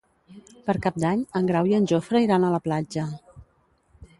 Per Cap d'Any en Grau i en Jofre iran a la platja.